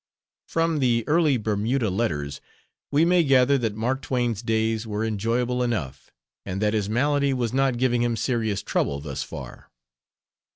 From the early Bermuda letters we may gather that Mark Twain's days were enjoyable enough, and that his malady was not giving him serious trouble, thus far.